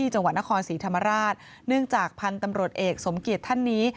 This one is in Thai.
จังหวัดนครศรีธรรมราชเนื่องจากพันธุ์ตำรวจเอกสมเกียจท่านนี้